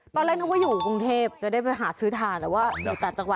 ตอนแรกนึกว่าอยู่กรุงเทพจะได้ไปหาซื้อทานแต่ว่าอยู่ต่างจังหวัด